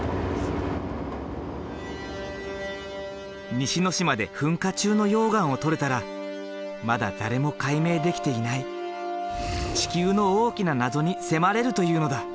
西之島で噴火中の溶岩を採れたらまだ誰も解明できていない地球の大きな謎に迫れるというのだ。